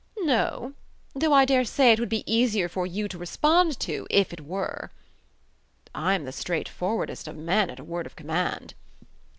"No; though I daresay it would be easier for you to respond to if it were." "I'm the straightforwardest of men at a word of command."